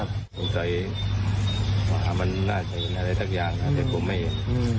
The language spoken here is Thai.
สงสัยว่ามันน่าจะเห็นอะไรสักอย่างนะแต่ผมไม่เห็น